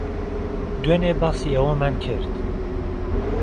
دوێنێ باسی ئەوەمان کرد.